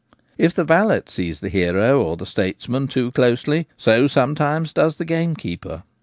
If the valet sees the hero or the statesman too closely, so sometimes does the gamekeeper.